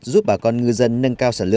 giúp bà con ngư dân nâng cao sản lý